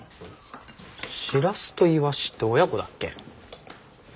しらすといわしって親子だっけ？